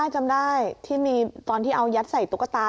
จำได้ที่เก็บเอาแยะใส่ตุ๊กตาล